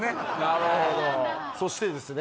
なるほどそしてですね